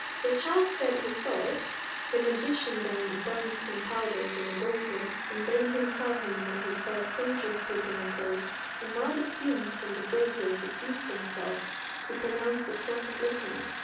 The child said he saw it; the magician then burnt some powders in a brazier, and bade him tell him when he saw a soldier sweeping a place; and while the fumes from the brazier diffused themselves, he pronounced a sort of litany.